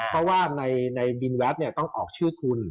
เพราะว่าในบินแวดต้องออกชื่อคุณ